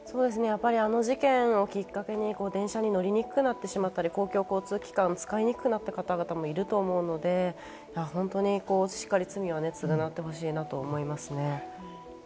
あの事件をきっかけに電車に乗りにくくなってしまったり、公共交通機関を使いにくくなったりする人もいるので、本当にしっかりと罪を償ってほしいなと思いますね。